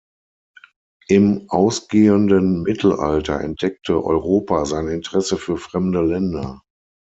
Im ausgehenden Mittelalter entdeckte Europa sein Interesse für fremde Länder.